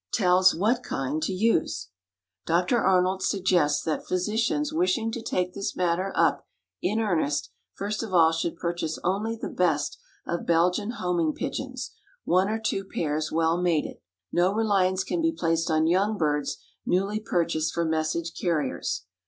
TELLS WHAT KIND TO USE. Dr. Arnold suggests that physicians wishing to take this matter up in earnest first of all should purchase only the best of Belgian homing pigeons, one or two pairs well mated. No reliance can be placed on young birds newly purchased for message carriers.